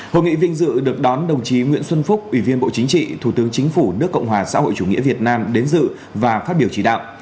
hội nghị vinh dự được đón đồng chí nguyễn xuân phúc ủy viên bộ chính trị thủ tướng chính phủ nước cộng hòa xã hội chủ nghĩa việt nam đến dự và phát biểu chỉ đạo